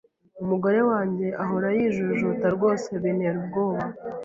Umugore wanjye ahora yijujuta rwose bintera ubwoba.